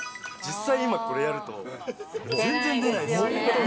実際今、これやると、もう全然出ないです。